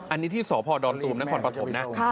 อันนี้ที่สพดตุ๋มนขอนปฐมนะ